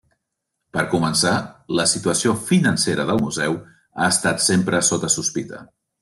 Per començar, la situació financera del museu ha estat sempre sota sospita.